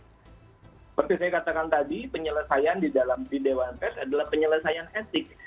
seperti saya katakan tadi penyelesaian di dalam di dewan pers adalah penyelesaian etik